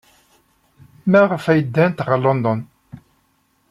Maɣef ay ddant ɣer London?